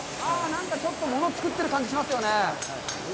何かちょっとものをつくってる感じがしますよね。